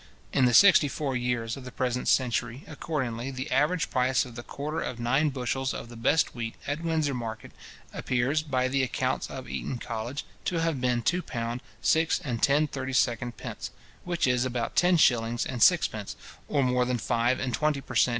In the sixty four years of the present century, accordingly, the average price of the quarter of nine bushels of the best wheat, at Windsor market, appears, by the accounts of Eton college, to have been £ 2:0:6 10/32, which is about ten shillings and sixpence, or more than five and twenty percent.